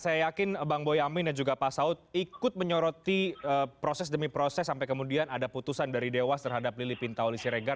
saya yakin bang boyamin dan juga pak saud ikut menyoroti proses demi proses sampai kemudian ada putusan dari dewas terhadap lili pintauli sirega